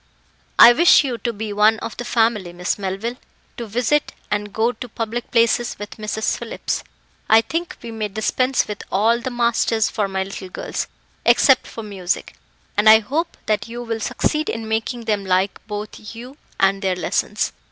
"I wish you to be one of the family, Miss Melville; to visit and go to public places with Mrs. Phillips. I think we may dispense with all the masters for my little girls, except for music, and I hope that you will succeed in making them like both you and their lessons.